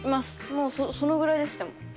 もうそのぐらいですでも。